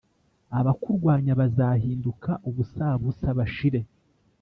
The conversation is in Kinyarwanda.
abakurwanya bazahinduka ubusabusa, bashire.